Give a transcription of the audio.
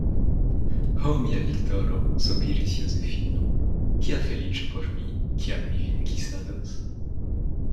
Ho, mia Viktoro, sopiris Josefino, kia feliĉo por mi, kiam mi vin kisados.